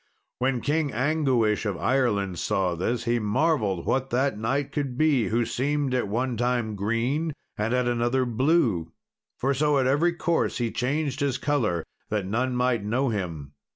When King Anguish of Ireland saw this, he marvelled what that knight could be who seemed at one time green and at another blue; for so at every course he changed his colour that none might know him.